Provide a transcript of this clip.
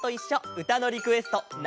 うたのリクエスト夏